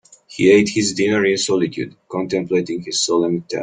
He ate his dinner in solitude, contemplating his solemn task.